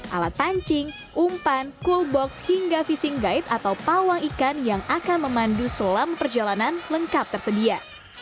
alat pancing umpan cool box hingga fishing guide atau pawang ikan yang akan memandu selam perjalanan lengkap tersedia